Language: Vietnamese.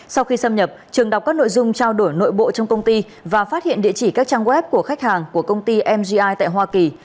sau khi xâm nhập trường đọc các nội dung trao đổi nội bộ trong công ty và phát hiện địa chỉ các trang web của khách hàng của công ty mgi tại hoa kỳ